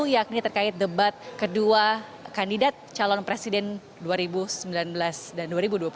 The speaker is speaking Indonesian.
yakni terkait debat kedua kandidat calon presiden dua ribu sembilan belas dan dua ribu dua puluh empat